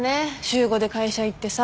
週５で会社行ってさ。